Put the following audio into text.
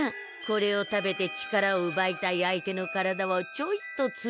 これを食べて力をうばいたい相手の体をちょいとつねればいいのさ。